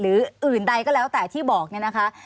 หรืออื่นใดก็แล้วแต่ที่บอกเนี่ยนะคะ